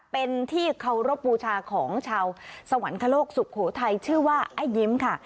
เป็นที่เคารพบูชาของชาวสวรรคโลกสุโขทัยชื่อว่าไอ้ยิ้มค่ะ